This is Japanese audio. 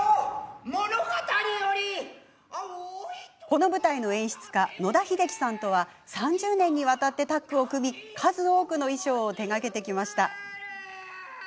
この舞台の演出家野田秀樹さんとは３０年にわたってタッグを組み数多くの衣装を手がけてきました。